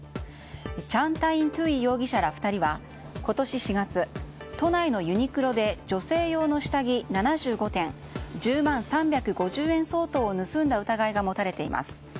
チャン・タイン・トゥイ容疑者ら２人は今年４月、都内のユニクロで女性用の下着７５点１０万３５０円相当を盗んだ疑いが持たれています。